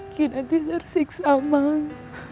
kinanti tersiksa mang